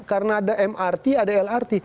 karena ada mrt ada lrt